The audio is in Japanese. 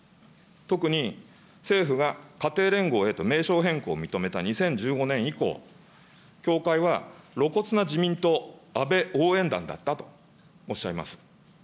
特に、政府が家庭連合へと名称変更を認めた２０１５年以降、教会は、露骨な自民党、安倍応援団だったとおっしゃいます。